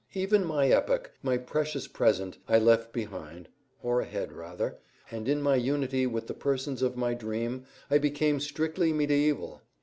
Even my epoch, my precious present, I left behind (or ahead, rather), and in my unity with the persons of my dream I became strictly mediæval.